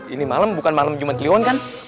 ini malam bukan malam cuma kliwon kan